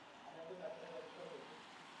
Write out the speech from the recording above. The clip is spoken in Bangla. আমি একজন ডাক্তারের ব্যবস্থাও করব।